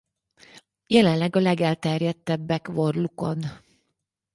Jelenleg a legelterjedtebbek Worlukon.